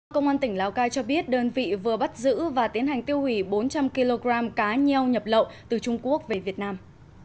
công an tỉnh lào cai cho biết đơn vị vừa bắt giữ và tiến hành tiêu hủy bốn trăm linh kg cá nheo nhập lậu từ trung quốc về việt nam